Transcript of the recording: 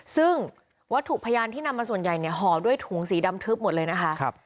ซึ่งวัตถุพยานที่นำมาส่วนใหญ่เนี่ยห่อด้วยถุงสีดำทึบหมดเลยนะคะ